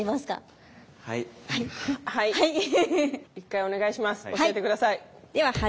１回お願いします。